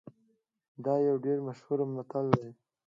دا یو ډیر مشهور متل دی